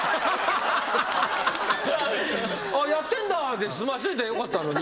「ああやってんだ」で済ましといたらよかったのに。